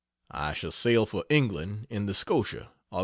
I shall sail for England in the Scotia, Aug.